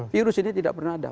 virus ini tidak pernah ada